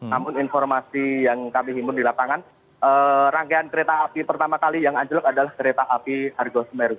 namun informasi yang kami himpun di lapangan rangkaian kereta api pertama kali yang anjlok adalah kereta api argo semeru